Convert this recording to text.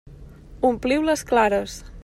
Ompliu les clares.